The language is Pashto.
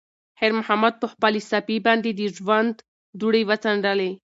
خیر محمد په خپلې صافې باندې د ژوند دوړې وڅنډلې.